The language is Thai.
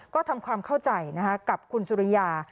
ก็ทำความเข้าใจกับคุณสุริยา